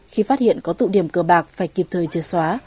khi phát hiện có tụ điểm cờ bạc phải kịp thời chệt xóa